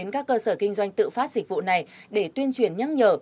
các cơ sở kinh doanh tự phát dịch vụ này để tuyên truyền nhắc nhở